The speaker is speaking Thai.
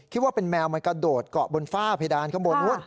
คิดว่าเป็นแมวคุณมันกระโดดเกาะบนฟ้าเพดานข้างบน